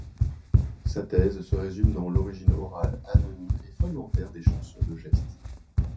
Sa thèse se résume dans l'origine orale, anonyme et fragmentaire des chansons de geste.